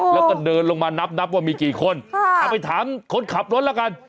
ก็เดินลงมานับว่ามีกี่คนอ่ะไปถามคนขับรถละกัน